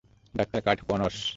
Doctor Curt Connors.